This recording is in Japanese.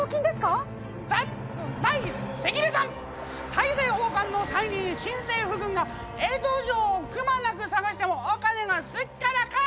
大政奉還の際に新政府軍が江戸城をくまなく探してもお金がすっからかん！